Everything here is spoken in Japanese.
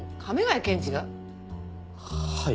はい。